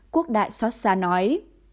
quốc đại xót xa nói